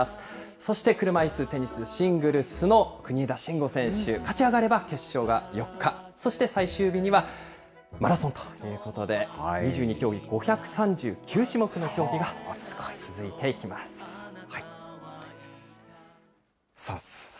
そして車いすテニス、シングルスの国枝慎吾選手、勝ち上がれば決勝が４日、そして最終日にはマラソンということで、２２競技５３９種目の競技が続いていきます。